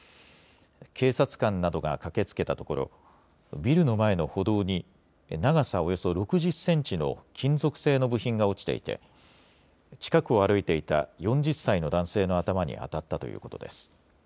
警察官などが駆けつけたところ、ビルの前の歩道に、長さおよそ６０センチの金属製の部品が落ちていて、近くを歩いていた４０歳の男性の頭に当たったということです。